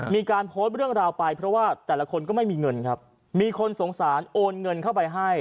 มีการโพสต์เรื่องราวไปเพราะว่าแต่ละคนก็ไม่มีเงินครับมีคนสงสารโอนเงินเข้าไปให้